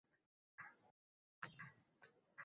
Ona mehrin his qilolmagan